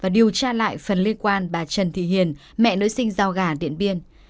điều tra lại phần liên quan bà trần thị hiền mẹ nữ sinh giao gà điện biên